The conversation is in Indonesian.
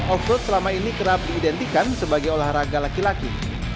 off road selama ini kerap diidentikan sebagai olahraga laki laki